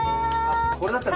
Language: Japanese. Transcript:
これだったら。